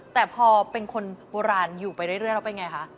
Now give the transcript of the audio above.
แต่พอเป็นคนโบราณอยู่ไปเรื่อยแล้วเป็นไงคะ